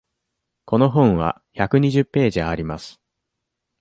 この本は百二十ページあります。